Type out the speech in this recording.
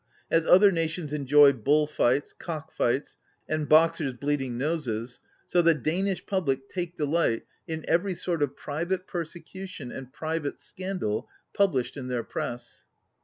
As other nations enjoy bull fights, cock fights, and boxers' bleeding noses, so the Danish public take delight in every sort of private persecution and private scan dal published in their press.